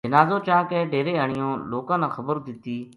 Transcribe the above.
جنازو چا کے ڈیرے آنیو لوکاں نا خبر دِتی